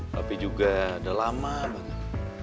tapi juga udah lama banget